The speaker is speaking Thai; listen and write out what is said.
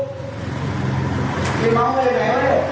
เขาออกไปอย่างไรล่ะ